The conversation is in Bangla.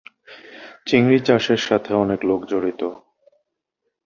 চিংড়ি চাষের সাথে অনেক লোক জড়িত।